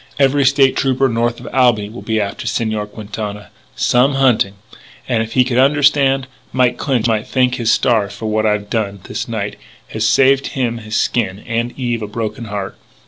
"Every State Trooper north of Albany will be after Señor Quintana. Some hunting! And, if he could understand, Mike Clinch might thank his stars that what I've done this night has saved him his skin and Eve a broken heart!"